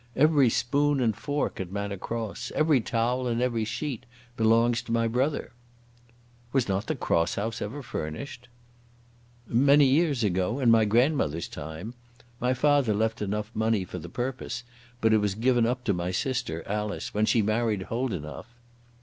"Every spoon and fork at Manor Cross, every towel and every sheet belongs to my brother." "Was not the Cross House ever furnished?" "Many years ago; in my grandmother's time. My father left money for the purpose, but it was given up to my sister Alice when she married Holdenough."